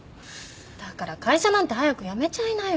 だから会社なんて早く辞めちゃいなよ。